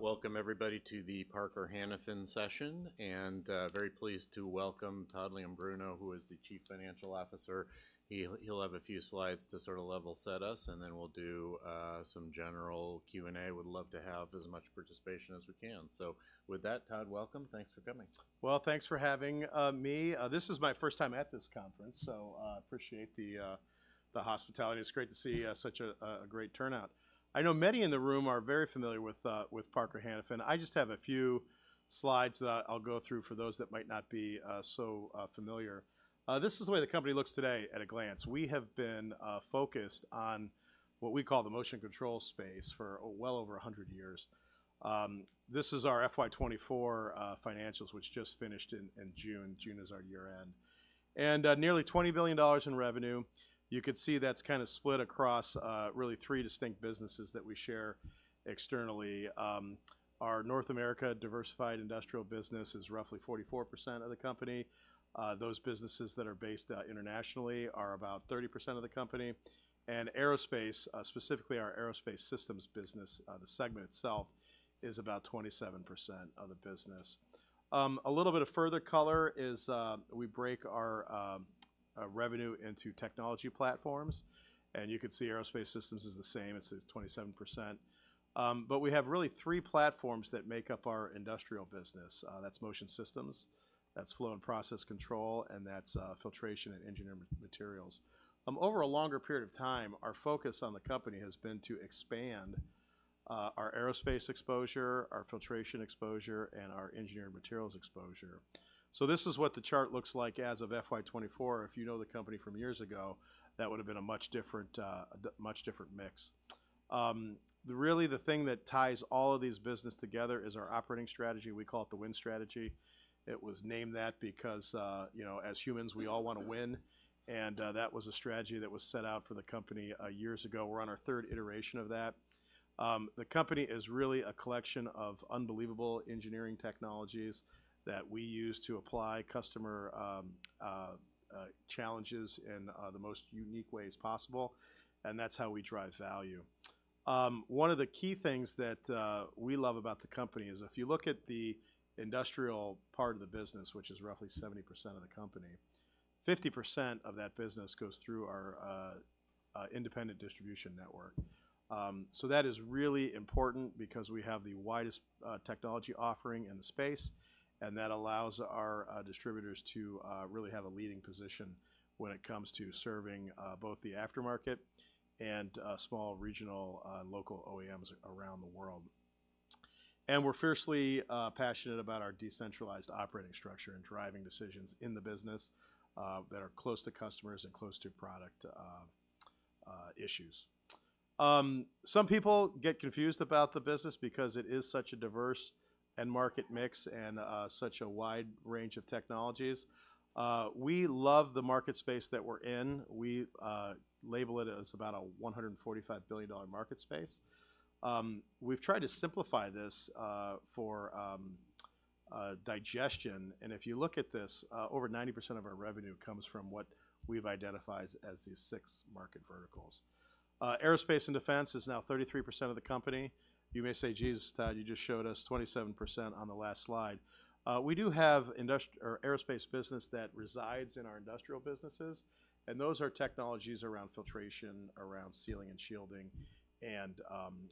Welcome everybody to the Parker Hannifin session, and very pleased to welcome Todd Leombruno, who is the Chief Financial Officer. He'll have a few slides to sort of level set us, and then we'll do some general Q&A. Would love to have as much participation as we can, so with that, Todd, welcome. Thanks for coming. Thanks for having me. This is my first time at this conference, so, appreciate the hospitality. It's great to see such a great turnout. I know many in the room are very familiar with Parker Hannifin. I just have a few slides that I'll go through for those that might not be so familiar. This is the way the company looks today at a glance. We have been focused on what we call the motion control space for well over 100 years. This is our FY 2024 financials, which just finished in June. June is our year-end. Nearly $20 billion in revenue, you could see that's kind of split across really three distinct businesses that we share externally. Our North America Diversified Industrial business is roughly 44% of the company. Those businesses that are based internationally are about 30% of the company, and Aerospace, specifically our Aerospace Systems business, the segment itself is about 27% of the business. A little bit of further color is, we break our revenue into technology platforms, and you can see Aerospace Systems is the same, it says 27%. But we have really three platforms that make up our industrial business. That's Motion Systems, that's Flow and Process Control, and that's Filtration and Engineered Materials. Over a longer period of time, our focus on the company has been to expand our Aerospace exposure, our filtration exposure, and our engineered materials exposure. So this is what the chart looks like as of FY24. If you know the company from years ago, that would've been a much different, much different mix. Really the thing that ties all of these business together is our operating strategy, we call it the Win Strategy. It was named that because, you know, as humans, we all wanna win, and, that was a strategy that was set out for the company, years ago. We're on our third iteration of that. The company is really a collection of unbelievable engineering technologies that we use to apply customer challenges in, the most unique ways possible, and that's how we drive value. One of the key things that we love about the company is if you look at the industrial part of the business, which is roughly 70% of the company, 50% of that business goes through our independent distribution network. So that is really important because we have the widest technology offering in the space, and that allows our distributors to really have a leading position when it comes to serving both the aftermarket and small regional local OEMs around the world. And we're fiercely passionate about our decentralized operating structure and driving decisions in the business that are close to customers and close to product issues. Some people get confused about the business because it is such a diverse end market mix and such a wide range of technologies. We love the market space that we're in. We label it as about a $145 billion market space. We've tried to simplify this for digestion, and if you look at this, over 90% of our revenue comes from what we've identified as these six market verticals. Aerospace and Defense is now 33% of the company. You may say, "Geez, Todd, you just showed us 27% on the last slide." We do have Aerospace business that resides in our industrial businesses, and those are technologies around filtration, around sealing and shielding, and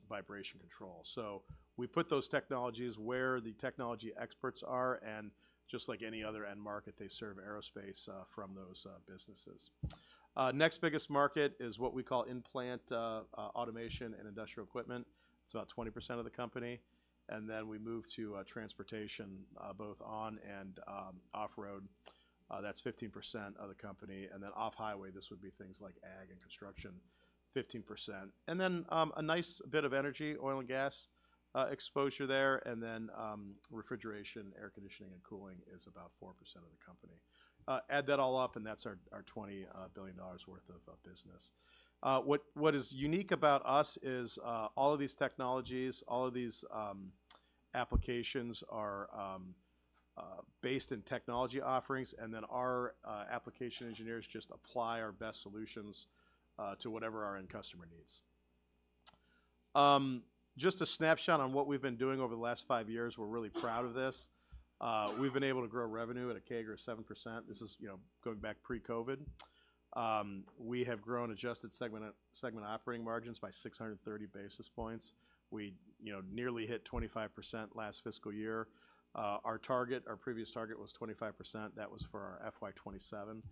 vibration control. So we put those technologies where the technology experts are, and just like any other end market, they serve Aerospace from those businesses. Next biggest market is what we call in-plant automation and industrial equipment. It's about 20% of the company. And then we move to transportation both on and off-road. That's 15% of the company. And then off-highway, this would be things like ag and construction, 15%. And then a nice bit of energy, oil and gas exposure there, and then refrigeration, air conditioning and cooling is about 4% of the company. Add that all up, and that's our $20 billion worth of business. What is unique about us is all of these technologies, all of these applications are based in technology offerings, and then our application engineers just apply our best solutions to whatever our end customer needs. Just a snapshot on what we've been doing over the last five years. We're really proud of this. We've been able to grow revenue at a CAGR of 7%. This is, you know, going back pre-COVID. We have grown adjusted segment operating margins by 630 basis points. We, you know, nearly hit 25% last fiscal year. Our target, our previous target was 25%. That was for our FY 2027.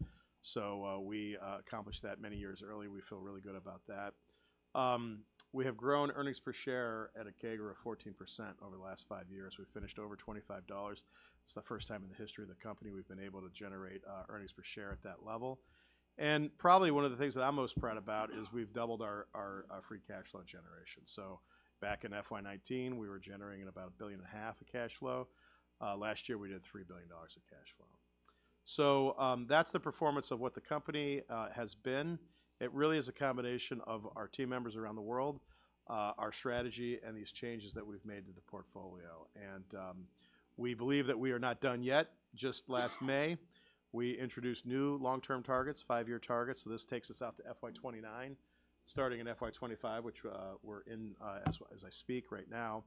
So, we accomplished that many years early. We feel really good about that. We have grown earnings per share at a CAGR of 14% over the last five years. We've finished over $25. It's the first time in the history of the company we've been able to generate earnings per share at that level. And probably one of the things that I'm most proud about is we've doubled our free cash flow generation. So back in FY 2019, we were generating about $1.5 billion of cash flow. Last year, we did $3 billion of cash flow. So, that's the performance of what the company has been. It really is a combination of our team members around the world, our strategy, and these changes that we've made to the portfolio. And, we believe that we are not done yet. Just last May, we introduced new long-term targets, five-year targets, so this takes us out to FY 2029, starting in FY 2025, which we're in as I speak right now.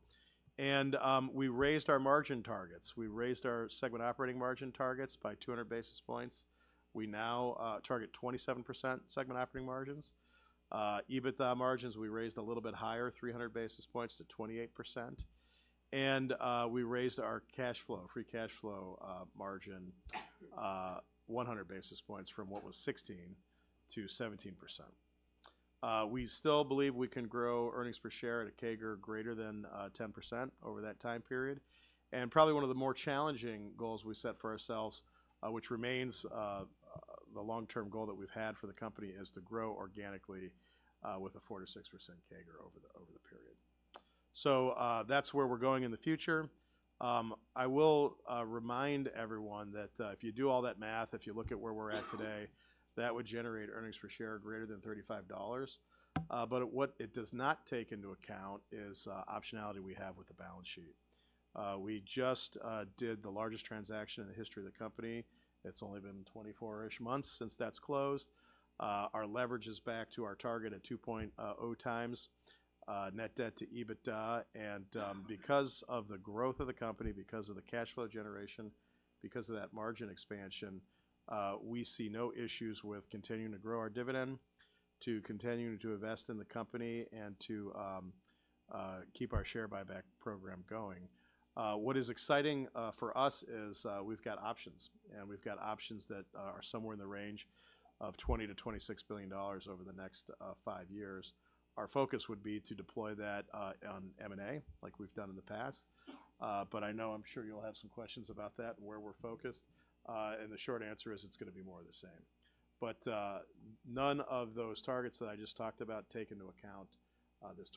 And, we raised our margin targets. We raised our segment operating margin targets by 200 basis points. We now target 27% segment operating margins. EBITDA margins, we raised a little bit higher, 300 basis points to 28%, and we raised our cash flow, free cash flow margin, 100 basis points from what was 16%-17%. We still believe we can grow earnings per share at a CAGR greater than 10% over that time period. And probably one of the more challenging goals we set for ourselves, which remains the long-term goal that we've had for the company, is to grow organically with a 4%-6% CAGR over the period. So, that's where we're going in the future. I will remind everyone that if you do all that math, if you look at where we're at today, that would generate earnings per share greater than $35. But what it does not take into account is optionality we have with the balance sheet. We just did the largest transaction in the history of the company. It's only been 24-ish months since that's closed. Our leverage is back to our target at 2.0 times net debt to EBITDA, and because of the growth of the company, because of the cash flow generation, because of that margin expansion, we see no issues with continuing to grow our dividend, to continuing to invest in the company, and to keep our share buyback program going. What is exciting for us is we've got options, and we've got options that are somewhere in the range of $20-$26 billion over the next five years. Our focus would be to deploy that on M&A, like we've done in the past. But I know I'm sure you'll have some questions about that and where we're focused, and the short answer is it's gonna be more of the same. But none of those targets that I just talked about take into account this $20-$26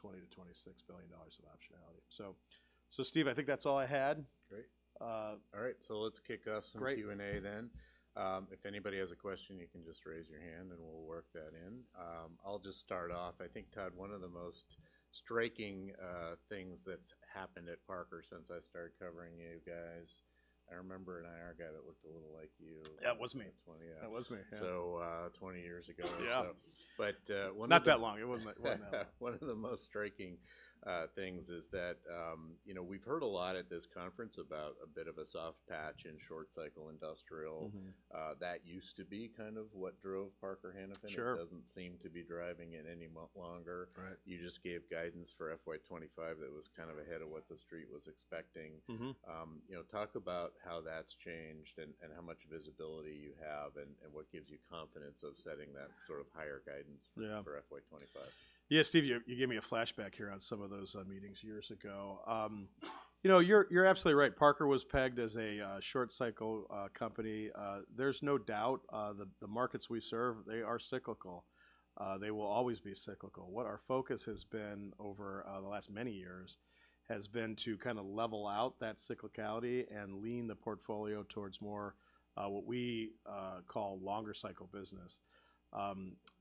billion of optionality. So, Steve, I think that's all I had. Great. Uh. All right, so let's kick off. Great... some Q&A then. If anybody has a question, you can just raise your hand and we'll work that in. I'll just start off. I think, Todd, one of the most striking things that's happened at Parker since I started covering you guys. I remember an IR guy that looked a little like you. Yeah, it was me. 20 yeah. It was me, yeah. So, 20 years ago. Yeah. One of the- Not that long, it wasn't that long. One of the most striking things is that, you know, we've heard a lot at this conference about a bit of a soft patch in short cycle industrial. Mm-hmm. That used to be kind of what drove Parker Hannifin. Sure. It doesn't seem to be driving it any longer. Right. You just gave guidance for FY25 that was kind of ahead of what the street was expecting. Mm-hmm. You know, talk about how that's changed and how much visibility you have, and what gives you confidence of setting that sort of higher guidance? Yeah... for FY25? Yeah, Steve, you gave me a flashback here on some of those meetings years ago. You know, you're absolutely right. Parker was pegged as a short cycle company. There's no doubt, the markets we serve, they are cyclical. They will always be cyclical. What our focus has been over the last many years has been to kinda level out that cyclicality and lean the portfolio towards more what we call longer cycle business.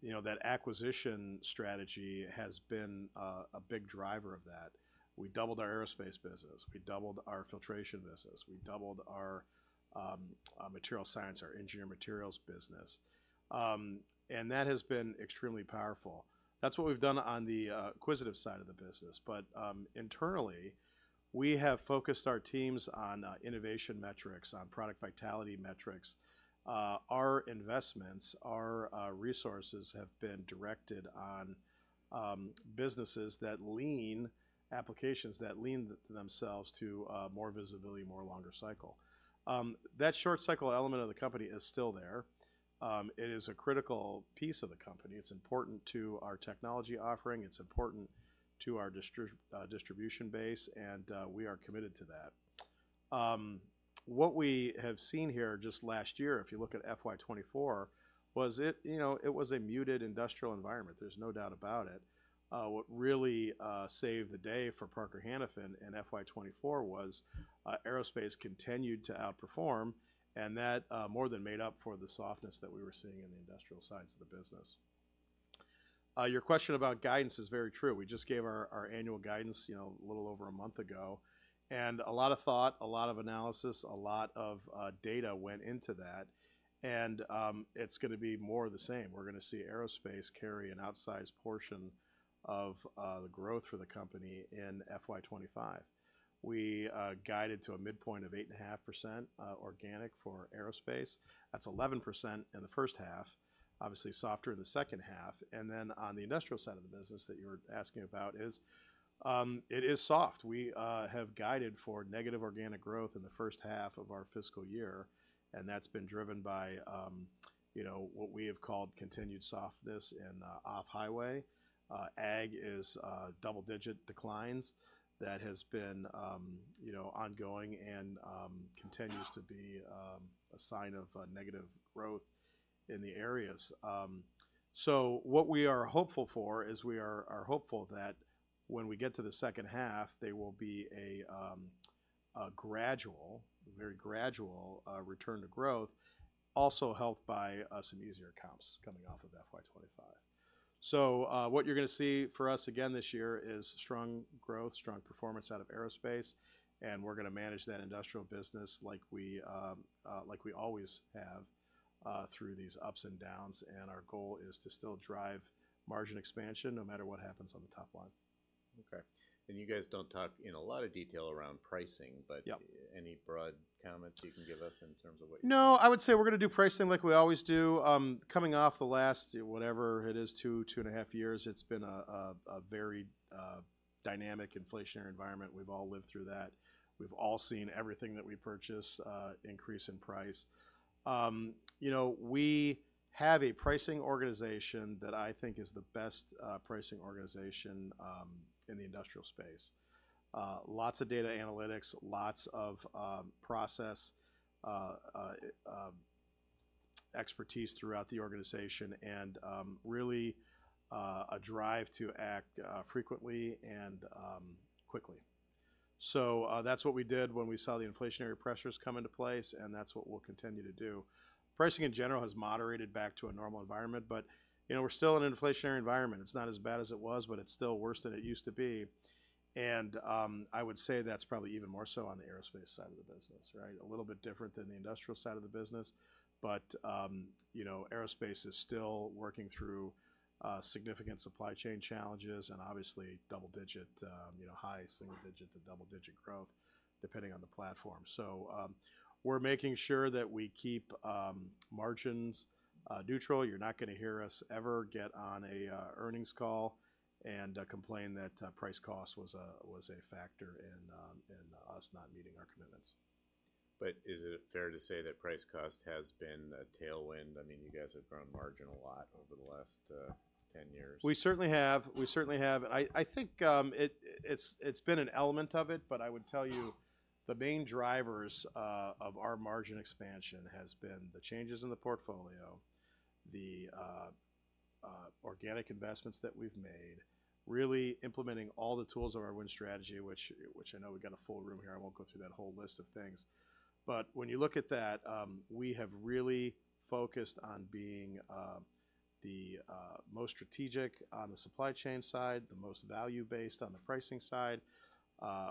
You know, that acquisition strategy has been a big driver of that. We doubled our Aerospace business, we doubled our Filtration business, we doubled our material science, our engineered materials business, and that has been extremely powerful. That's what we've done on the acquisitive side of the business, but internally, we have focused our teams on innovation metrics, on product vitality metrics. Our investments, our resources have been directed on businesses that lean - applications that lend themselves to more visibility, more longer cycle. That short cycle element of the company is still there. It is a critical piece of the company. It's important to our technology offering, it's important to our distribution base, and we are committed to that. What we have seen here just last year, if you look at FY24, was it, you know, it was a muted industrial environment, there's no doubt about it. What really saved the day for Parker Hannifin in FY 2024 was Aerospace continued to outperform, and that more than made up for the softness that we were seeing in the industrial sides of the business. Your question about guidance is very true. We just gave our annual guidance, you know, a little over a month ago, and a lot of thought, a lot of analysis, a lot of data went into that, and it's gonna be more of the same. We're gonna see Aerospace carry an outsized portion of the growth for the company in FY 2025. We guided to a midpoint of 8.5% organic for Aerospace. That's 11% in the first half, obviously softer in the second half, and then on the industrial side of the business that you were asking about is, it is soft. We have guided for negative organic growth in the first half of our fiscal year, and that's been driven by, you know, what we have called continued softness in, off-highway. Ag is, double-digit declines that has been, you know, ongoing and, continues to be, a sign of, negative growth in the areas. So what we are hopeful for is we are hopeful that when we get to the second half, there will be a gradual, very gradual, return to growth, also helped by, some easier comps coming off of FY 2025. So, what you're gonna see for us again this year is strong growth, strong performance out of Aerospace, and we're gonna manage that Industrial business like we always have, through these ups and downs, and our goal is to still drive margin expansion, no matter what happens on the top line. Okay. And you guys don't talk in a lot of detail around pricing, but- Yep... any broad comments you can give us in terms of what you- No, I would say we're gonna do pricing like we always do. Coming off the last, whatever it is, two, two and a half years, it's been a very dynamic inflationary environment. We've all lived through that. We've all seen everything that we purchase increase in price. You know, we have a pricing organization that I think is the best pricing organization in the industrial space. Lots of data analytics, lots of process expertise throughout the organization, and really a drive to act frequently and quickly. So that's what we did when we saw the inflationary pressures come into place, and that's what we'll continue to do. Pricing in general has moderated back to a normal environment, but you know, we're still in an inflationary environment. It's not as bad as it was, but it's still worse than it used to be. And, I would say that's probably even more so on the Aerospace side of the business, right? A little bit different than the industrial side of the business, but, you know, Aerospace is still working through significant supply chain challenges and obviously double digit, you know, high single digit to double digit growth, depending on the platform. So, we're making sure that we keep margins neutral. You're not gonna hear us ever get on a earnings call and complain that price cost was a factor in us not meeting our commitments. But is it fair to say that price cost has been a tailwind? I mean, you guys have grown margin a lot over the last ten years. We certainly have. We certainly have. I think it's been an element of it, but I would tell you, the main drivers of our margin expansion has been the changes in the portfolio, the organic investments that we've made, really implementing all the tools of our Win Strategy, which I know we've got a full room here, I won't go through that whole list of things. But when you look at that, we have really focused on being the most strategic on the supply chain side, the most value-based on the pricing side.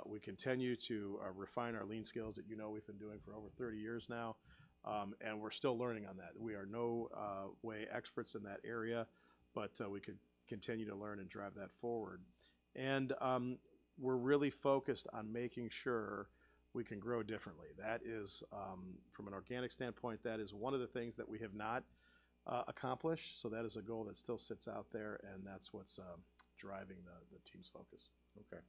We continue to refine our lean skills that you know we've been doing for over thirty years now, and we're still learning on that. We are no way experts in that area, but we could continue to learn and drive that forward, and we're really focused on making sure we can grow differently. That is, from an organic standpoint, that is one of the things that we have not accomplished, so that is a goal that still sits out there, and that's what's driving the team's focus. Okay.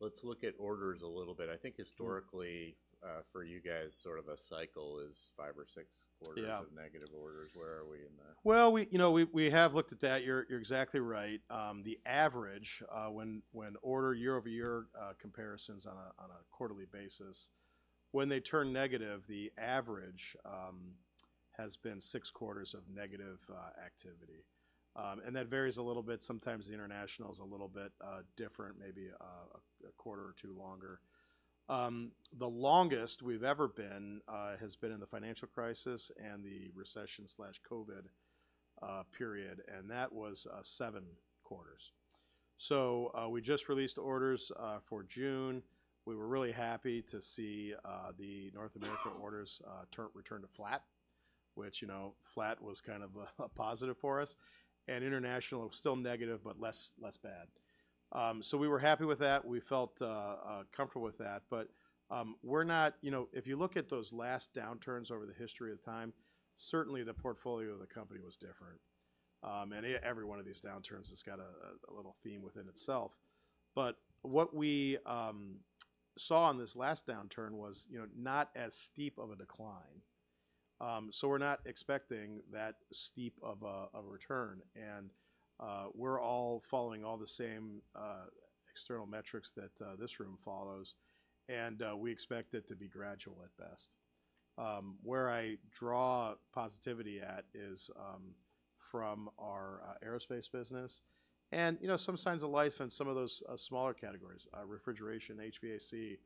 Let's look at orders a little bit. I think historically, for you guys, sort of a cycle is five or six quarters- Yeah... of negative orders. Where are we in that? Well, you know, we have looked at that. You're exactly right. The average, when order year-over-year comparisons on a quarterly basis, when they turn negative, the average has been six quarters of negative activity. And that varies a little bit. Sometimes the international's a little bit different, maybe a quarter or two longer. The longest we've ever been has been in the financial crisis and the recession and COVID period, and that was seven quarters. So we just released orders for June. We were really happy to see the North American orders return to flat, which, you know, flat was kind of a positive for us, and international was still negative, but less bad. So we were happy with that. We felt comfortable with that, but we're not. You know, if you look at those last downturns over the history of time, certainly the portfolio of the company was different, and every one of these downturns has got a little theme within itself, but what we saw in this last downturn was, you know, not as steep of a decline, so we're not expecting that steep of a return, and we're all following all the same external metrics that this room follows, and we expect it to be gradual at best, where I draw positivity at is from our Aerospace business and, you know, some signs of life in some of those smaller categories. Refrigeration, HVAC,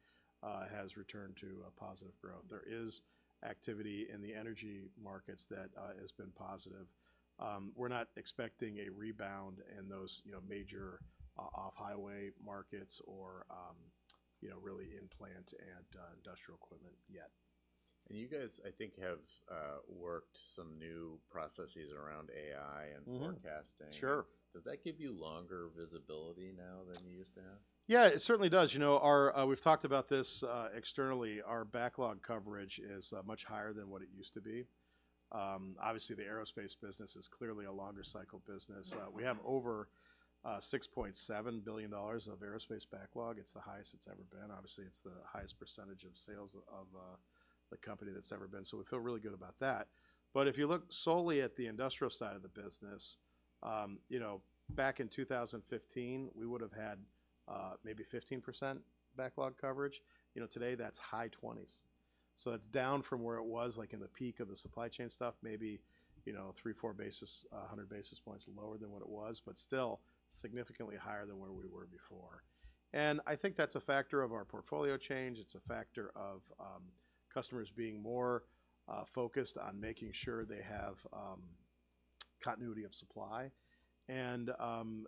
has returned to a positive growth. There is activity in the energy markets that has been positive. We're not expecting a rebound in those, you know, major off-highway markets or, you know, really in plant and industrial equipment yet. And you guys, I think, have worked some new processes around AI and- Mm-hmm... forecasting. Sure. Does that give you longer visibility now than you used to have? Yeah, it certainly does. You know, our-- we've talked about this externally. Our backlog coverage is much higher than what it used to be. Obviously, the Aerospace business is clearly a longer cycle business. Mm-hmm. We have over $6.7 billion of Aerospace backlog. It's the highest it's ever been. Obviously, it's the highest percentage of sales of the company that's ever been, so we feel really good about that. But if you look solely at the industrial side of the business, you know, back in 2015, we would've had maybe 15% backlog coverage. You know, today, that's high twenties. So that's down from where it was like in the peak of the supply chain stuff, maybe, you know, 300-400 basis points lower than what it was, but still significantly higher than where we were before. And I think that's a factor of our portfolio change, it's a factor of customers being more focused on making sure they have. continuity of supply, and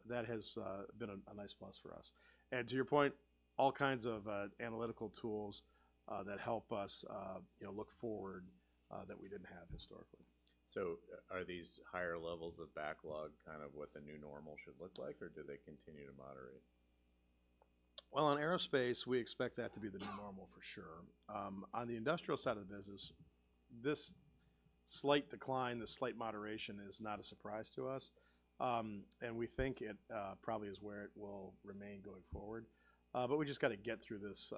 that has been a nice plus for us. And to your point, all kinds of analytical tools that help us, you know, look forward that we didn't have historically. So are these higher levels of backlog kind of what the new normal should look like, or do they continue to moderate? Well, on Aerospace, we expect that to be the new normal for sure. On the industrial side of the business, this slight decline, this slight moderation is not a surprise to us. And we think it, probably is where it will remain going forward. But we just gotta get through this,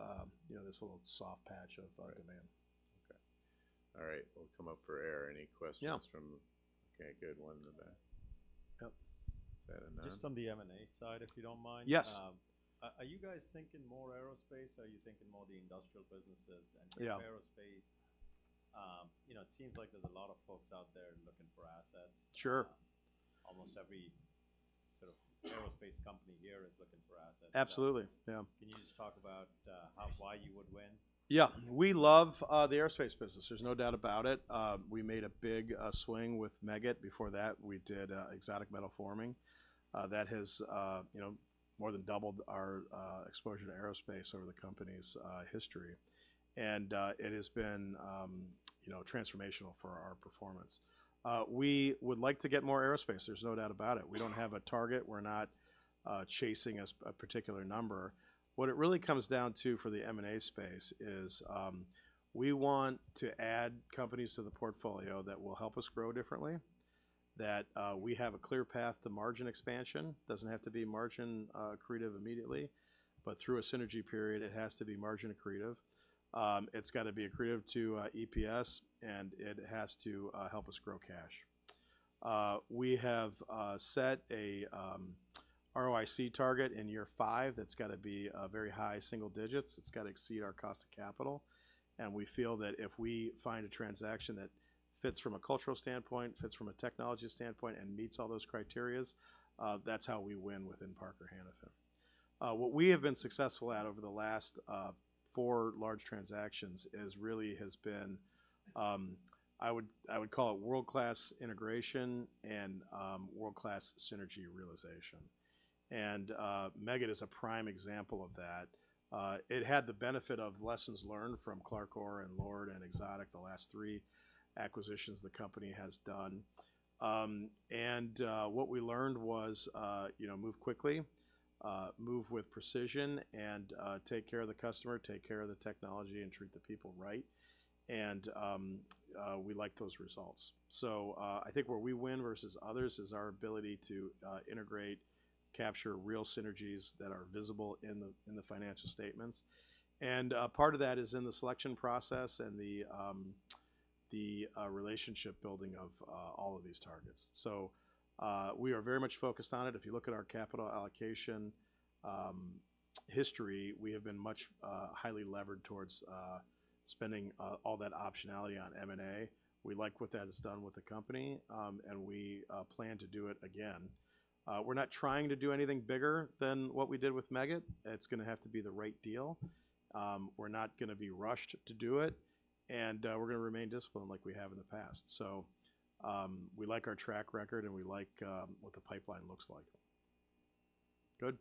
you know, this little soft patch of, demand. Right. Okay. All right, we'll come up for air. Any questions from- Yeah. Okay, good. One in the back. Yep. Is that enough? Just on the M&A side, if you don't mind? Yes. Are you guys thinking more Aerospace? Are you thinking more the industrial businesses- Yeah... and Aerospace? You know, it seems like there's a lot of folks out there looking for assets. Sure. Almost every sort of Aerospace company here is looking for assets. Absolutely. Yeah. Can you just talk about how, why you would win? Yeah. We love the Aerospace business, there's no doubt about it. We made a big swing with Meggitt. Before that, we did Exotic Metals Forming, that has, you know, more than doubled our exposure to Aerospace over the company's history. And it has been, you know, transformational for our performance. We would like to get more Aerospace, there's no doubt about it. We don't have a target, we're not chasing a particular number. What it really comes down to for the M&A space is, we want to add companies to the portfolio that will help us grow differently, that we have a clear path to margin expansion. Doesn't have to be margin accretive immediately, but through a synergy period, it has to be margin accretive. It's gotta be accretive to EPS, and it has to help us grow cash. We have set a ROIC target in year five that's gotta be very high single digits. It's gotta exceed our cost of capital, and we feel that if we find a transaction that fits from a cultural standpoint, fits from a technology standpoint, and meets all those criteria, that's how we win within Parker Hannifin. What we have been successful at over the last four large transactions is really world-class integration and world-class synergy realization. And Meggitt is a prime example of that. It had the benefit of lessons learned from CLARCOR and LORD and Exotic, the last three acquisitions the company has done. And, what we learned was, you know, move quickly, move with precision, and take care of the customer, take care of the technology, and treat the people right, and we like those results. So, I think where we win versus others is our ability to integrate, capture real synergies that are visible in the financial statements. And, part of that is in the selection process and the relationship building of all of these targets. So, we are very much focused on it. If you look at our capital allocation history, we have been much highly levered towards spending all that optionality on M&A. We like what that has done with the company, and we plan to do it again. We're not trying to do anything bigger than what we did with Meggitt. It's gonna have to be the right deal. We're not gonna be rushed to do it, and we're gonna remain disciplined like we have in the past. So, we like our track record, and we like what the pipeline looks like. Good?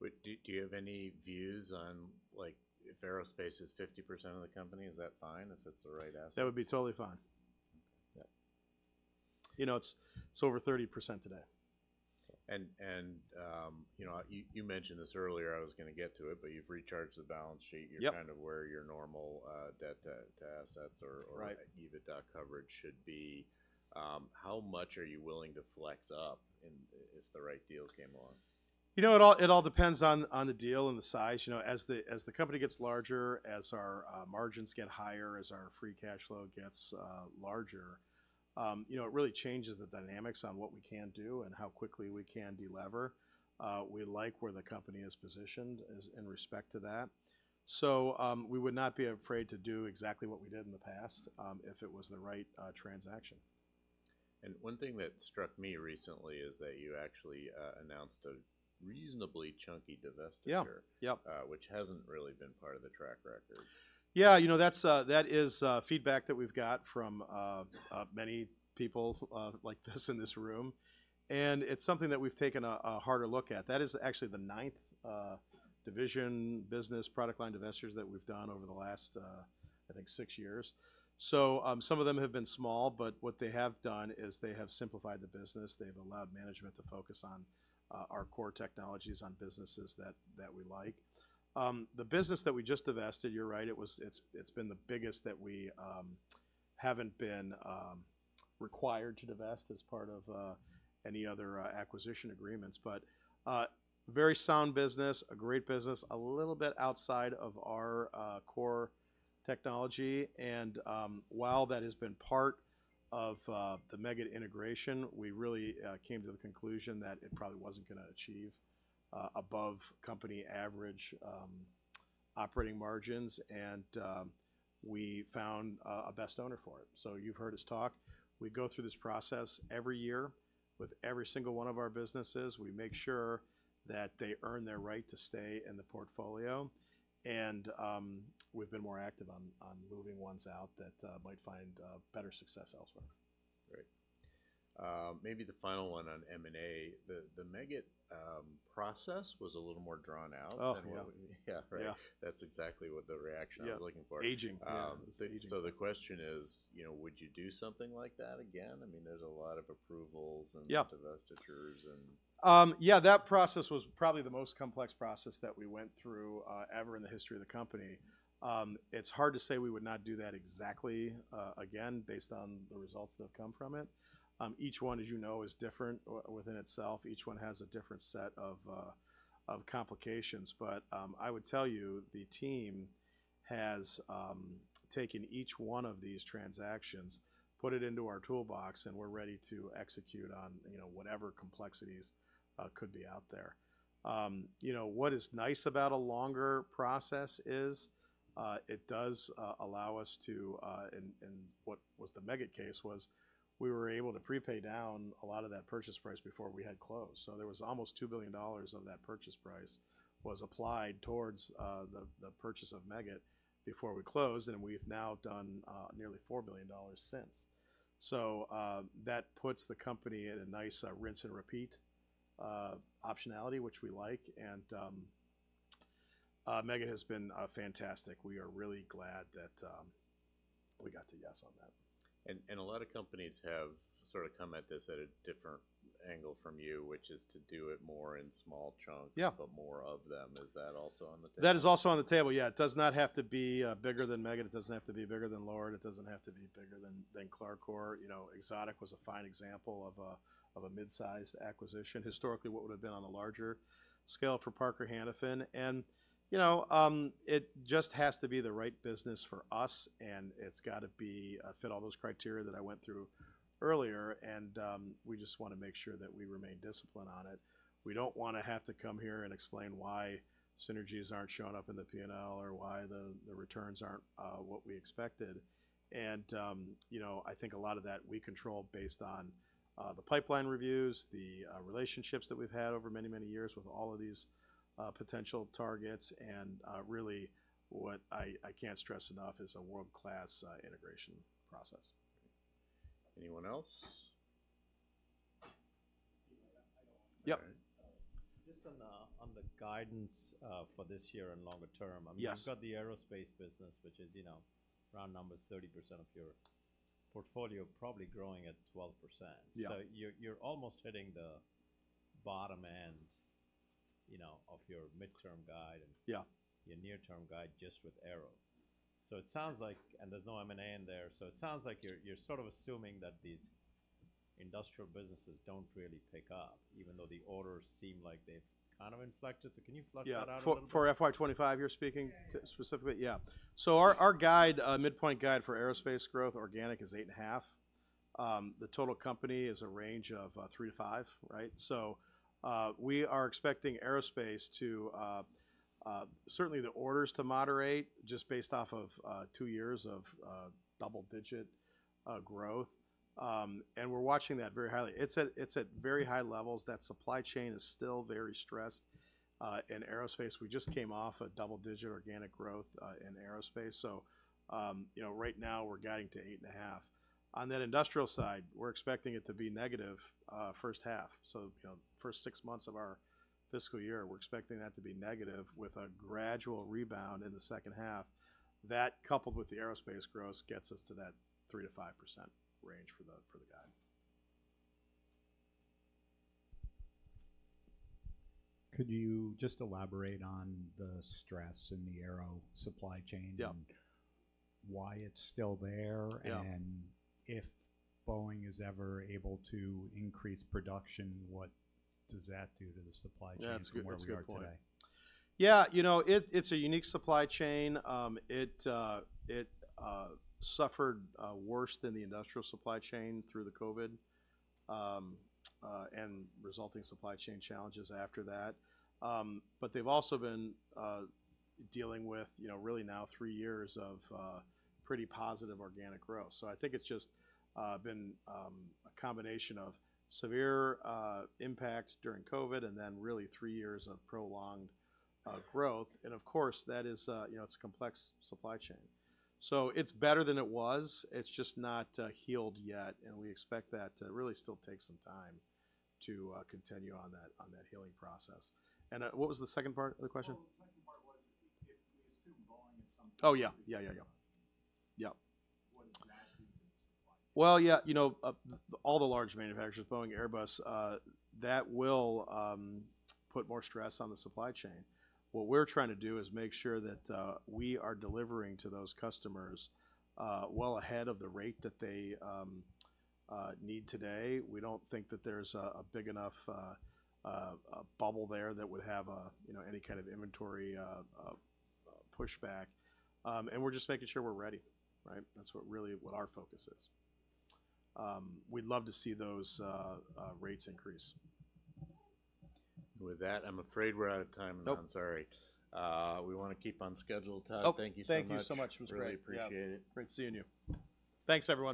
Wait, do you have any views on, like, if Aerospace is 50% of the company, is that fine, if it's the right asset? That would be totally fine. Yeah. You know, it's over 30% today, so. And, you know, you mentioned this earlier, I was gonna get to it, but you've recharged the balance sheet- Yep... you're kind of where your normal, debt to assets or- Right... or EBITDA coverage should be. How much are you willing to flex up in, if the right deal came along? You know, it all depends on the deal and the size. You know, as the company gets larger, as our margins get higher, as our free cash flow gets larger, you know, it really changes the dynamics on what we can do and how quickly we can deliver. We like where the company is positioned as in respect to that. So, we would not be afraid to do exactly what we did in the past, if it was the right transaction. And one thing that struck me recently is that you actually announced a reasonably chunky divestiture. Yeah, yep... which hasn't really been part of the track record. Yeah, you know, that's, that is, feedback that we've got from many people like this in this room, and it's something that we've taken a harder look at. That is actually the ninth division, business, product line divestitures that we've done over the last, I think six years, so some of them have been small, but what they have done is they have simplified the business. They've allowed management to focus on our core technologies, on businesses that we like. The business that we just divested, you're right, it was, it's been the biggest that we haven't been required to divest as part of any other acquisition agreements, but very sound business, a great business, a little bit outside of our core technology. And while that has been part of the Meggitt integration, we really came to the conclusion that it probably wasn't gonna achieve above company average operating margins, and we found a best owner for it. So you've heard us talk. We go through this process every year with every single one of our businesses. We make sure that they earn their right to stay in the portfolio, and we've been more active on moving ones out that might find better success elsewhere. Great... maybe the final one on M&A. The Meggitt process was a little more drawn out- Oh, yeah. Yeah, right. Yeah. That's exactly what the reaction- Yeah... I was looking for. Yeah, it was the aging- So the question is, you know, would you do something like that again? I mean, there's a lot of approvals and- Yeah... divestitures, and. Yeah, that process was probably the most complex process that we went through ever in the history of the company. It's hard to say we would not do that exactly again, based on the results that have come from it. Each one, as you know, is different within itself. Each one has a different set of complications. But I would tell you, the team has taken each one of these transactions, put it into our toolbox, and we're ready to execute on, you know, whatever complexities could be out there. You know, what is nice about a longer process is it does allow us to, and what was the Meggitt case was, we were able to prepay down a lot of that purchase price before we had closed. So there was almost $2 billion of that purchase price was applied towards the purchase of Meggitt before we closed, and we've now done nearly $4 billion since. So that puts the company in a nice rinse and repeat optionality, which we like, and Meggitt has been fantastic. We are really glad that we got to yes on that. A lot of companies have sort of come at this at a different angle from you, which is to do it more in small chunks- Yeah... but more of them. Is that also on the table? That is also on the table, yeah. It does not have to be bigger than Meggitt, it doesn't have to be bigger than LORD, it doesn't have to be bigger than CLARCOR or, you know, Exotic was a fine example of a mid-sized acquisition. Historically, what would've been on a larger scale for Parker Hannifin, and, you know, it just has to be the right business for us, and it's gotta be fit all those criteria that I went through earlier, and we just wanna make sure that we remain disciplined on it. We don't wanna have to come here and explain why synergies aren't showing up in the P&L or why the returns aren't what we expected. You know, I think a lot of that we control based on the pipeline reviews, the relationships that we've had over many, many years with all of these potential targets, and really, what I can't stress enough, is a world-class integration process. Anyone else? Yep. Just on the guidance for this year and longer term. Yes... I mean, you've got the Aerospace business, which is, you know, round numbers, 30% of your portfolio, probably growing at 12%. Yeah. So you're almost hitting the bottom end, you know, of your midterm guide and- Yeah ...your near-term guide, just with aero. So it sounds like... And there's no M&A in there, so it sounds like you're sort of assuming that these industrial businesses don't really pick up, even though the orders seem like they've kind of inflected. So can you flesh that out a little? Yeah. For FY 25, you're speaking- Yeah... specifically? Yeah. So our guide, midpoint guide for Aerospace growth, organic, is eight and a half. The total company is a range of three to five, right? So we are expecting Aerospace to certainly the orders to moderate, just based off of two years of double-digit growth. And we're watching that very highly. It's at very high levels. That supply chain is still very stressed. In Aerospace, we just came off a double-digit organic growth in Aerospace. So you know, right now, we're guiding to eight and a half. On that industrial side, we're expecting it to be negative first half. So you know, first six months of our fiscal year, we're expecting that to be negative, with a gradual rebound in the second half. That, coupled with the Aerospace growth, gets us to that 3-5% range for the guide. Could you just elaborate on the stress in the Aero supply chain? Yeah. Why it's still there. Yeah... and if Boeing is ever able to increase production, what does that do to the supply chain from where we are today? That's a good point. Yeah, you know, it's a unique supply chain. It suffered worse than the industrial supply chain through the COVID and resulting supply chain challenges after that. But they've also been dealing with, you know, really now three years of pretty positive organic growth. So I think it's just been a combination of severe impact during COVID, and then really three years of prolonged growth, and of course, that is, you know, it's a complex supply chain. So it's better than it was, it's just not healed yet, and we expect that to really still take some time to continue on that healing process, and what was the second part of the question? The second part was, if we assume Boeing at some point- Oh, yeah. Yeah, yeah, yeah. Yep. What does that do to the supply? Well, yeah, you know, all the large manufacturers, Boeing, Airbus, that will put more stress on the supply chain. What we're trying to do is make sure that we are delivering to those customers well ahead of the rate that they need today. We don't think that there's a big enough bubble there that would have, you know, any kind of inventory pushback. And we're just making sure we're ready, right? That's really what our focus is. We'd love to see those rates increase. With that, I'm afraid we're out of time. Nope. I'm sorry. We wanna keep on schedule. Nope. Todd, thank you so much. Thank you so much, it was great. Really appreciate it. Great seeing you. Thanks, everyone.